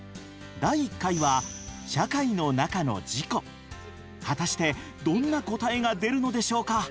第１回は果たしてどんな答えが出るのでしょうか？